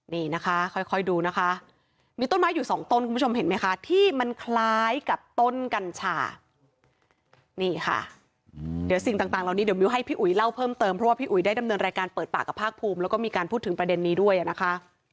นี่นะคะค่อยดูนะคะมีต้นไม้อยู่สองต้นคุณผู้ชมเห็นไหมคะที่มันคล้ายกับต้นกัญชานี่ค่ะเดี๋ยวสิ่งต่างเหล่านี้เดี๋ยวมิวให้พี่อุ๋ยเล่าเพิ่มเติมเพราะว่าพี่อุ๋ยได้ดำเนินรายการเปิดปากกับภาคภูมิแล้วก็มีการพูดถึงประเด็นนี้ด้วยนะคะ